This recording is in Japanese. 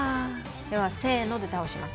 ではせので倒します。